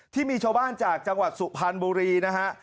ที่มีชาวบ้านจากจังหวัดสุพรรณบุรีนะฮะ